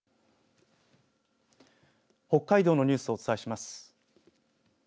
北海道のニュースをお伝えします。